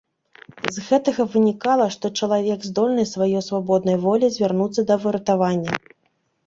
З гэтага вынікала, што чалавек здольны сваёй свабоднай воляй звярнуцца да выратавання.